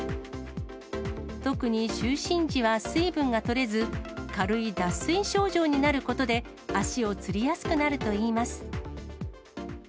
特に就寝時は水分が取れず、軽い脱水症状になることで、足をつりやすくなるといいます。